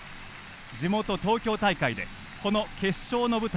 地元東京大会でこの決勝の舞台